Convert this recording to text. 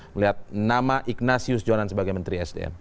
melihat nama ignatius jonan sebagai menteri sdm